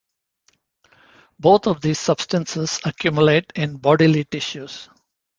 Both of these substances accumulate in bodily tissues.